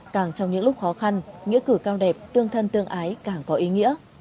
càng trong những lúc khó khăn nghĩa cử cao đẹp tương thân tương ái càng có ý nghĩa